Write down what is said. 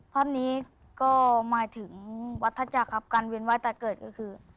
ภาพนี้ก็หมายถึงวัดท่าจักรครับการเว้นไห้ตาเกิดก็คือ